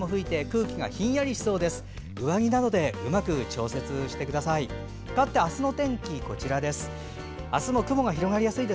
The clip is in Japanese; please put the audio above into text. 上着などでうまく調節してください。